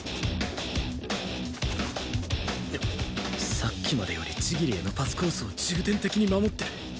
さっきまでより千切へのパスコースを重点的に守ってる？